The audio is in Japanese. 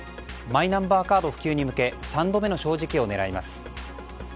マイナンバーカード普及に向け３度目の正直を狙います。